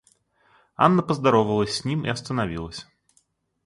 Анна поздоровалась с ним и остановилась.